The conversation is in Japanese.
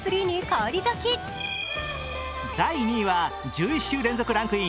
第２位は１１週連続ランクイン